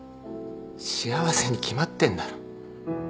幸せに決まってんだろ。